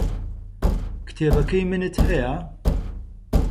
کتێبەکەی منت هەیە؟